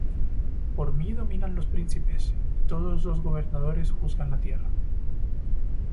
Por mí dominan los príncipes, Y todos los gobernadores juzgan la tierra.